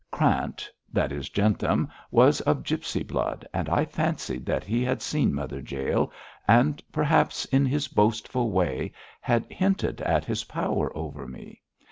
Krant that is Jentham was of gipsy blood, and I fancied that he had seen Mother Jael, and perhaps, in his boastful way, had hinted at his power over me.